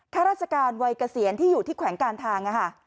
ข้าราชการวัยเกษียณที่อยู่ที่แขวงการทาง